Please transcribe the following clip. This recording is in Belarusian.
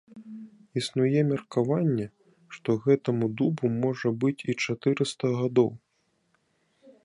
Існуе меркаванне, што гэтаму дубу можа быць і чатырыста гадоў.